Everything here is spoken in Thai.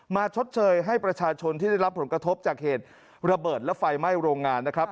ชดเชยให้ประชาชนที่ได้รับผลกระทบจากเหตุระเบิดและไฟไหม้โรงงานนะครับ